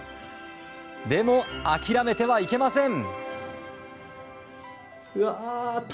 でも、諦めてはいけません。